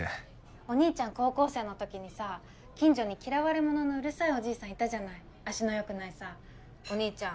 お兄ちゃん高校生の時にさ近所に嫌われ者のうるさいおじいさんいたじゃない足のよくないさお兄ちゃん